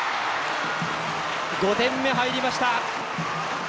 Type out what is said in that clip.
５点目、入りました。